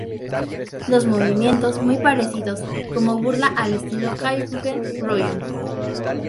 Y los movimientos muy parecidos, como burla al estilo Kyokugen-ryu.